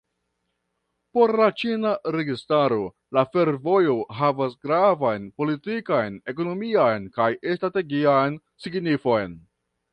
Por la ĉina registaro la fervojo havas gravan politikan, ekonomian kaj strategian signifon.